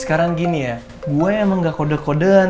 sekarang gini ya gue emang gak kode kodean